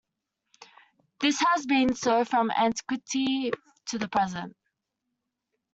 This has been so from antiquity to the present.